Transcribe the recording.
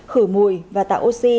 khử mùi và tạo oxy